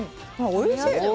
おいしい！